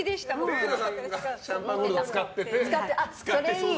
ＲＥＩＮＡさんがシャンパンゴールドを使ってて。